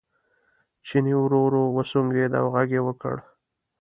چیني ورو ورو وسونګېد او غږ یې وکړ.